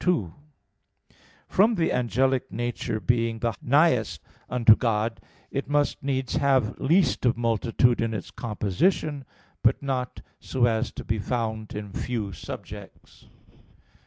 2: From the angelic nature being the nighest unto God, it must needs have least of multitude in its composition, but not so as to be found in few subjects.